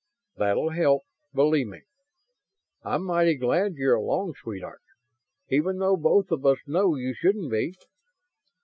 "That'll help, believe me. I'm mighty glad you're along, sweetheart. Even though both of us know you shouldn't be."